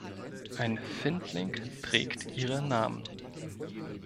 Ein Findling trägt ihre Namen.